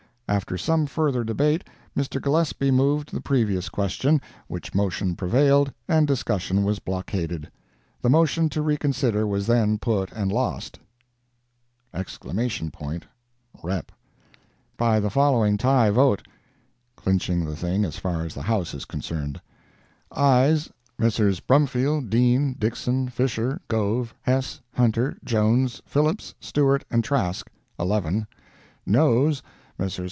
After some further debate, Mr. Gillespie moved the previous question, which motion prevailed, and discussion was blockaded. The motion to reconsider was then put and lost [!—REP.] by the following tie vote [clinching the thing as far as the House is concerned]. AYES—Messrs. Brumfield, Dean, Dixson, Fisher, Gove, Hess, Hunter, Jones, Phillips, Stewart and Trask—1l NOES—Messrs.